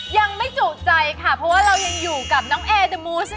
ยังไม่จุใจค่ะเพราะว่าเรายังอยู่กับน้องเอเดอร์มูส